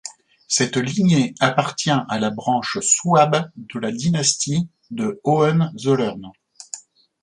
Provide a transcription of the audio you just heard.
Cette lignée appartient à la branche souabe de la dynastie de Hohenzollern.